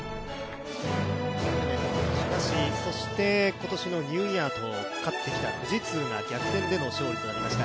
今年のニューイヤーと勝ってきた富士通が逆転での勝利となりました。